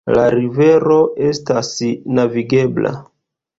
La rivero estas navigebla.